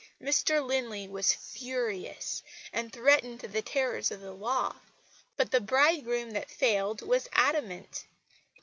Mr Linley was furious, and threatened the terrors of the law; but the bridegroom that failed was adamant.